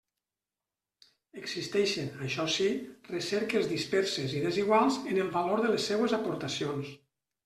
Existeixen, això sí, recerques disperses i desiguals en el valor de les seues aportacions.